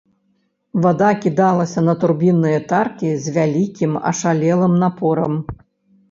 Вада кідалася на турбінныя таркі з вялікім ашалелым напорам.